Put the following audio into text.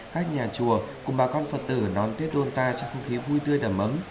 các nhà chùa cùng bà con phật tử đón tuyết đôn tai trong không khí vui tươi đầm ấm